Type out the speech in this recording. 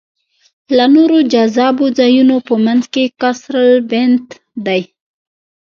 له نورو جذابو ځایونو په منځ کې قصرالبنت دی.